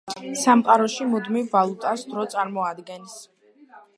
სამყაროში მუდმივ ვალუტას დრო წარმოადგენს.